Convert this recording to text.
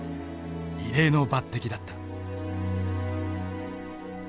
異例の抜てきだった。